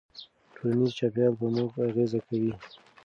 ټولنیز چاپېریال په موږ اغېزه کوي.